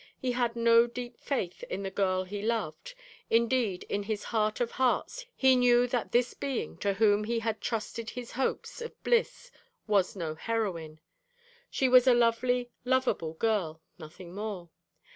He had no deep faith in the girl he loved; indeed in his heart of hearts he knew that this being to whom he had trusted his hopes of bliss was no heroine. She was a lovely, loveable girl, nothing more.